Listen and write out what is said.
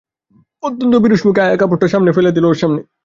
অত্যন্ত বিরস মুখে আয়া কাপড়টা এনে ফেলে দিলে ওর সামনে।